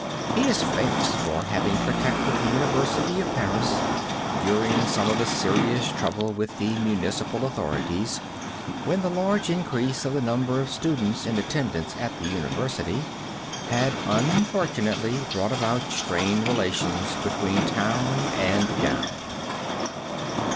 He is famous for having protected the University of Paris during some of the serious trouble with the municipal authorities, when the large increase of the number of students in attendance at the University had unfortunately brought about strained relations between town and gown.